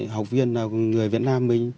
học viên là người việt nam